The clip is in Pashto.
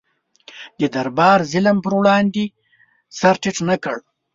د دربار ظلم پر وړاندې سر ټیټ نه کړ.